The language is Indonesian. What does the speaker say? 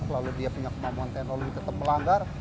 lalu dia punya kemampuan teknologi tetap melanggar